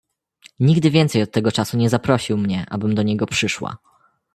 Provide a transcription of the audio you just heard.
"Nigdy więcej od tego czasu nie zaprosił mnie, abym do niego przyszła."